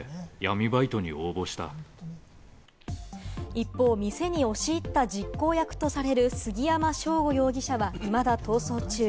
一方、店に押し入った実行役とされる杉山翔吾容疑者はいまだ逃走中。